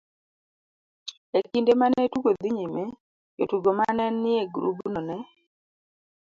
e kinde ma ne tugo dhi nyime, jotugo ma ne ni e grubno ne